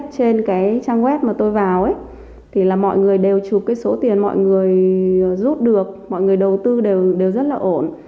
trên cái trang web mà tôi vào thì là mọi người đều chụp cái số tiền mọi người rút được mọi người đầu tư đều rất là ổn